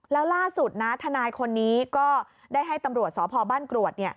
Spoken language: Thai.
แล้วล่าสุดนะทนายคนนี้ก็ได้ให้ตำรวจสพบ้านกรวด